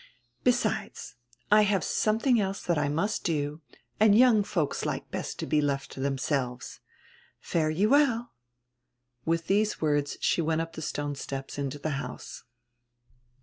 "Besides, I have somediing else diat I must do and young folks like hest to he left to themselves. Fare ye well." Widi these words she went up the stone steps into the house.